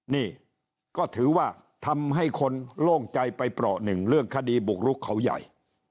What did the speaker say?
นี่ก็ถือว่าทำให้คนโล่งใจไปเปราะหนึ่งเรื่องคดีบุกรุกเขาใหญ่